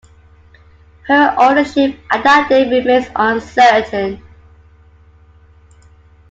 Her ownership at that date remains uncertain.